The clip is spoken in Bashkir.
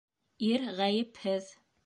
Ир ғәйепһеҙ